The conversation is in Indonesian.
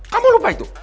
kamu lupa itu